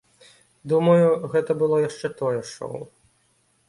Думаю, гэта было яшчэ тое шоў.